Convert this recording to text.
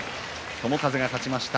友風が勝ちました。